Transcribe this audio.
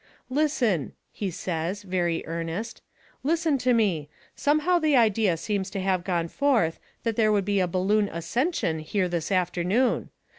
"Listen," he says, very earnest, "listen to me. Somehow the idea seems to have gone forth that there would be a balloon ascension here this afternoon.